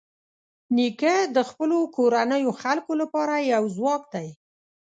نیکه د خپلو کورنیو خلکو لپاره یو ځواک دی.